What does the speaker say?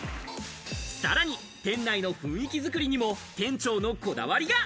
さらに店内の雰囲気作りにも、店長のこだわりが。